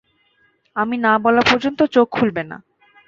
আমি না বলা পর্যন্ত চোখ খুলবে না।